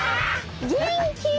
元気！